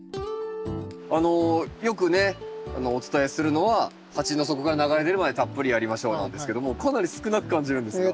あのよくねお伝えするのは「鉢の底から流れ出るまでたっぷりやりましょう」なんですけどもかなり少なく感じるんですが。